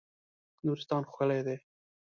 نورستان ښکلی دی.